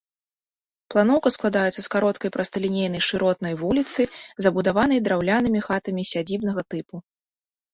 Планоўка складаецца з кароткай прасталінейнай шыротнай вуліцы, забудаванай драўлянымі хатамі сядзібнага тыпу.